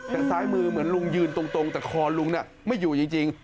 แต่ซ้ายมือเหมือนลุงยืนตรงแต่คอลุงไม่อยู่จริง